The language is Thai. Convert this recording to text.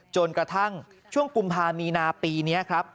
จนกระทั่งช่วงกุมภามีนาปีนี้ครับ